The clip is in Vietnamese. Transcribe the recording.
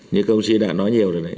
như công sĩ đã nói nhiều rồi